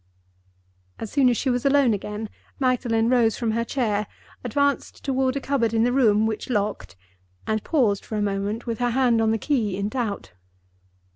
As soon as she was alone again, Magdalen rose from her chair, advanced toward a cupboard in the room which locked, and paused for a moment, with her hand on the key, in doubt.